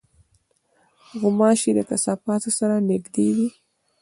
غوماشې د کثافاتو سره نزدې وي.